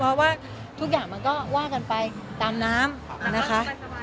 เพราะว่าทุกอย่างมันก็ว่ากันไปตามน้ำนะคะ